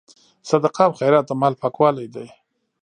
صدقه او خیرات د مال پاکوالی دی.